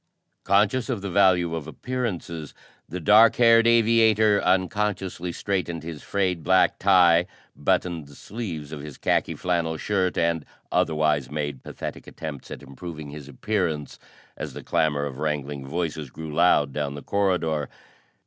Conscious of the value of appearances, the dark haired aviator unconsciously straightened his frayed black tie, buttoned the sleeves of his khaki flannel shirt and otherwise made pathetic attempts at improving his appearance as the clamor of wrangling voices grew loud down the corridor.